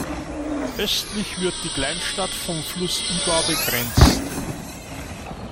Östlich wird die Kleinstadt vom Fluss Ibar begrenzt.